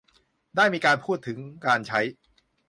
ได้มีการพูดถึงการใช้